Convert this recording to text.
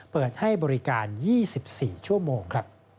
เปิดให้บริการ๒๔ชั่วโมง